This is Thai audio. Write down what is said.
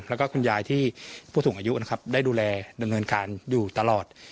แล้วก็คุณยายที่ผู้สูงอายุนะครับได้ดูแลดำเนินการอยู่ตลอด